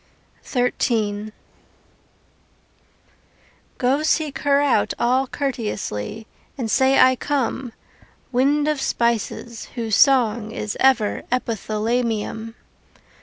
XIII Go seek her out all courteously, And say I come, Wind of spices whose song is ever Epithalamium.